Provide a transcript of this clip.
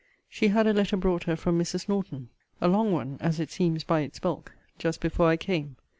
She had a letter brought her from Mrs. Norton (a long one, as it seems by its bulk,) just before I came.